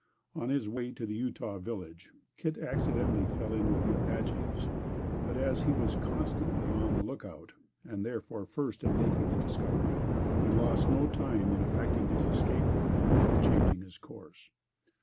On his way to the Utah village, Kit accidentally fell in with the Apaches; but as he was constantly on the look out, and therefore first in making the discovery, he lost no time in effecting his escape from them, by changing his course.